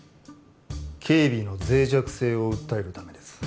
警備の脆弱性を訴えるためです。